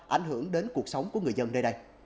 ảnh hưởng đến cuộc sống của người dân nơi đây